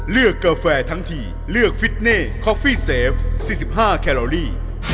กาแฟทั้งทีเลือกฟิตเน่คอฟฟี่เซฟ๔๕แคลอรี่